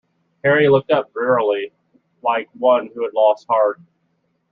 Harry looked up drearily like one who has lost heart.